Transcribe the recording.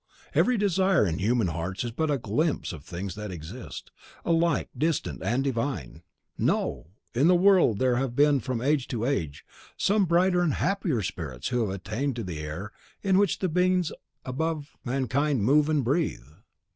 Every desire in human hearts is but a glimpse of things that exist, alike distant and divine. No! in the world there have been from age to age some brighter and happier spirits who have attained to the air in which the beings above mankind move and breathe.